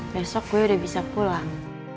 besok gue udah bisa pulang